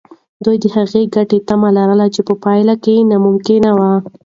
دوی د هغې ګټې تمه لرله چې په پیل کې ناممکنه وه.